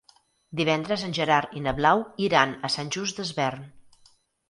Divendres en Gerard i na Blau iran a Sant Just Desvern.